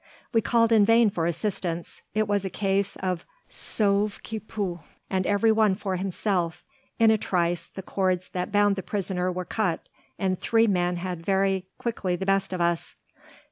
We called in vain for assistance; it was a case of sauve qui peut and every one for himself, in a trice the cords that bound the prisoner were cut, and three men had very quickly the best of us.